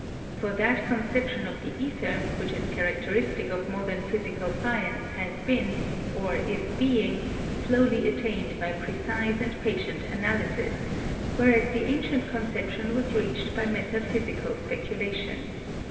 For that con ception of the ether which is characteristic of modern physical science has been, or is being, slowly attained by precise and patient analysis, whereas the ancient concep tion was reached by metaphysical speculation.